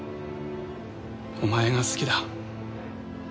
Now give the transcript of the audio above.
お前が好きだ。